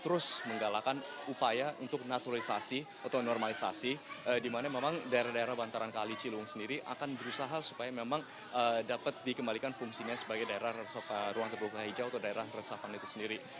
terus menggalakan upaya untuk naturalisasi atau normalisasi di mana memang daerah daerah bantaran kali ciliwung sendiri akan berusaha supaya memang dapat dikembalikan fungsinya sebagai daerah ruang terbuka hijau atau daerah resapan itu sendiri